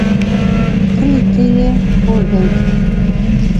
کلي کې یې کور دی